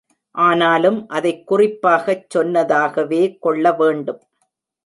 ஆனாலும் அதைக் குறிப்பாகச் சொன்னதாகவே கொள்ள வேண்டும்.